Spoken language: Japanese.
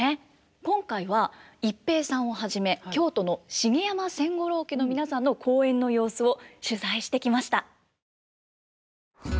今回は逸平さんをはじめ京都の茂山千五郎家の皆さんの公演の様子を取材してきました。